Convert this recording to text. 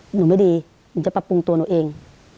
หนูไม่ดีหนูจะปรับปรุงตัวหนูเอง